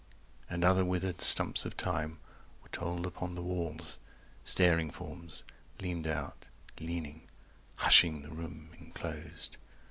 And other withered stumps of time Were told upon the walls; staring forms 105 Leaned out, leaning, hushing the room enclosed.